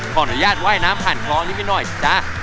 ขออนุญาตว่ายน้ำผ่านคลอนิ่มน้อยจ๊ะ